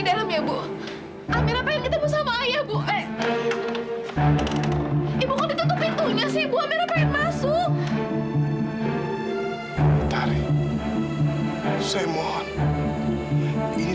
kalau gitu amira pergi dari sini